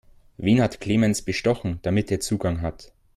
Wen hat Clemens bestochen, damit er Zugang hat?